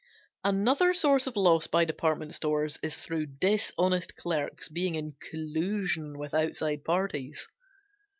Another source of loss by department stores is through dishonest clerks being in collusion with outside parties.